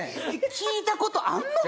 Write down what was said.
聞いたことあんのか？